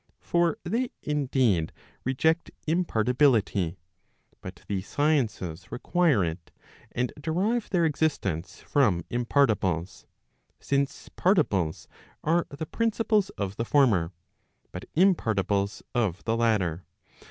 For they indeed reject impar tibility, but these sciences require it, and derive their existence from im partibles; since partibles are the principles of the former, but impartibles of the latter.